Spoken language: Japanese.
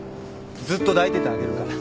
ずっと抱いててあげるから。